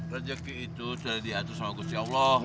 rezeki itu sudah diatur sama kusi allah